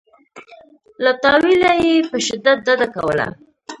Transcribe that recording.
له تأویله یې په شدت ډډه کوله.